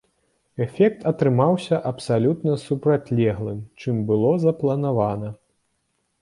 Эфект атрымаўся абсалютна супрацьлеглым, чым было запланавана.